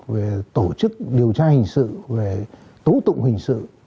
về tổ chức điều tra hình sự về tố tụng hình sự